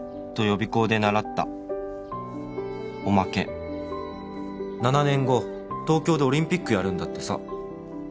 予備校で習った」「おまけ」「７年後東京でオリンピックやるんだってさ」